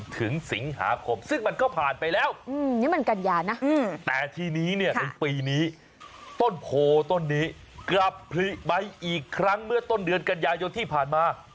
แต่ทีนี้เนี่ยปีนี้ต้นโผล่ต้นนี้กลับพลิกใบอีกครั้งเมื่อต้นเดือนกันยายนที่ผ่านมา